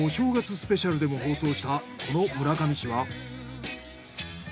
スペシャルでも放送したこの村上市は。